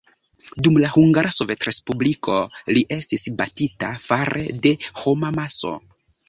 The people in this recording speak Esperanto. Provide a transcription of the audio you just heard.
Dum la Hungara Sovetrespubliko li estis batita fare de homamaso.